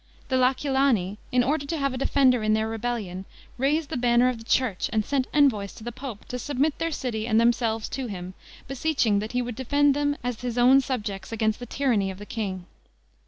The L'Aquilani, in order to have a defender in their rebellion, raised the banner of the church, and sent envoys to the pope, to submit their city and themselves to him, beseeching that he would defend them as his own subjects against the tyranny of the king.